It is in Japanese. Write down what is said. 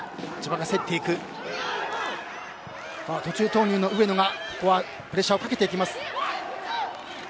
途中投入の上野がプレッシャーをかけます。